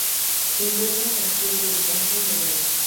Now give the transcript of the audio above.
Se encuentran al sur del cantón de Berna.